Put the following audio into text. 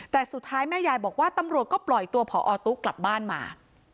แต่สุดท้ายแม่ยายบอกว่าตำรวจก็ปล่อยตัวผอตุ๊กกลับบ้านมา